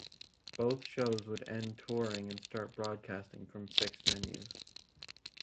Both shows would end touring and start broadcasting from fixed venues.